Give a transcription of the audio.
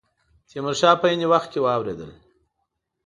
تیمور شاه په عین وخت کې واورېدل.